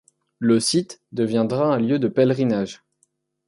Le site deviendra un lieu de pèlerinage.